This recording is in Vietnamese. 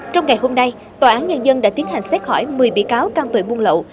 trong ngày hôm nay tòa án nhân dân đã tiến hành xét hỏi một mươi bị cáo can tội buôn lậu